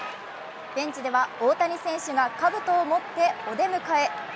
ベンチでは大谷選手がかぶとを持ってお出迎え。